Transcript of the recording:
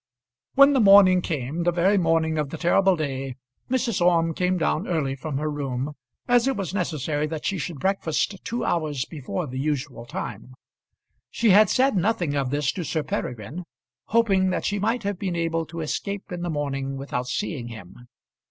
When the morning came, the very morning of the terrible day, Mrs. Orme came down early from her room, as it was necessary that she should breakfast two hours before the usual time. She had said nothing of this to Sir Peregrine, hoping that she might have been able to escape in the morning without seeing him.